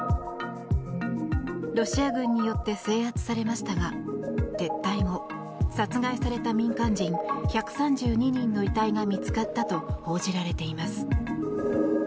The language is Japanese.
ロシア軍によって制圧されましたが撤退後、殺害された民間人１３２人の遺体が見つかったと報じられています。